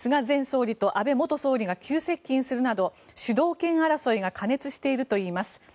前総理と安倍元総理が急接近するなど主導権争いが過熱しているといいます。